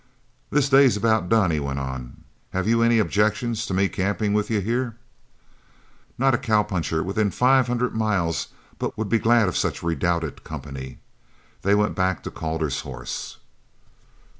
"This day's about done," he went on. "Have you any objections to me camping with you here?" Not a cowpuncher within five hundred miles but would be glad of such redoubted company. They went back to Calder's horse.